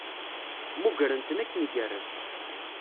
Mmugren-ten akken igerrez.